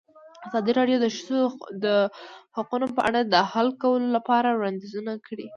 ازادي راډیو د د ښځو حقونه په اړه د حل کولو لپاره وړاندیزونه کړي.